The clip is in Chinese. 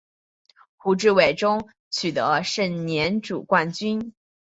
胡志伟中夺得盛年组冠军。